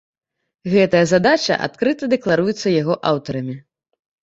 Гэтая задача адкрыта дэкларуецца яго аўтарамі.